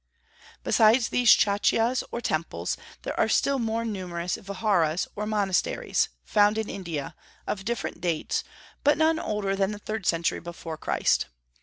Besides these chaityas, or temples, there are still more numerous viharas, or monasteries, found in India, of different dates, but none older than the third century before Christ.